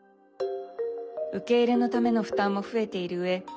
受け入れのための負担も増えているうえ